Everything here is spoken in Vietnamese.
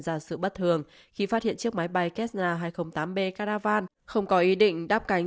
ra sự bất thường khi phát hiện chiếc máy bay keta hai trăm linh tám b caravan không có ý định đáp cánh